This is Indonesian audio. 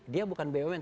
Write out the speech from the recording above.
dia bukan bumn